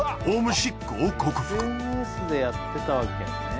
ＳＮＳでやってたわけね。